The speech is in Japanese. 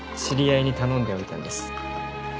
知り合いに頼んでおいたんです。